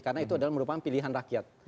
karena itu adalah merupakan pilihan rakyat